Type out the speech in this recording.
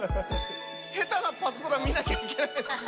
ヘタなパズドラ見なきゃいけない。